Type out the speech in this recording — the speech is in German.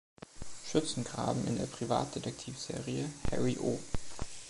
Schützengraben in der Privatdetektivserie „Harry O“.